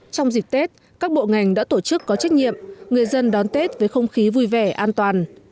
trong dịp tết các bộ ngành đã tổ chức có trách nhiệm người dân đón tết với không khí vui vẻ an toàn